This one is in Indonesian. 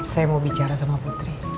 saya mau bicara sama putri